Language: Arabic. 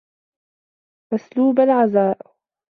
مَسْلُوبَ الْعَزَاءِ